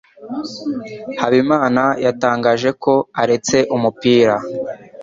Habimana yatangaje ko aretse umupira.